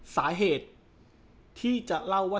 สาเหตุที่จะเล่าว่า